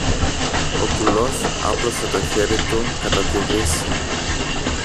Ο κουλός άπλωσε το χέρι του κατά τη δύση.